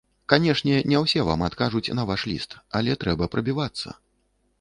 Канешне, не ўсе вам адкажуць на ваш ліст, але трэба прабівацца.